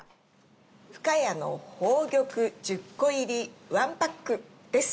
深谷の宝玉１０個入り１パックです。